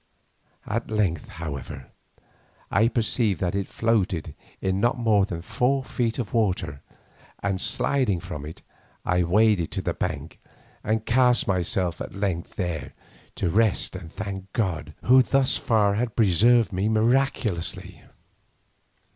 At length, however, I perceived that it floated in not more than four feet of water, and sliding from it, I waded to the bank and cast myself at length there to rest and thank God who thus far had preserved me miraculously.